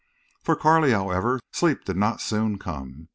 For Carley, however, sleep did not soon come.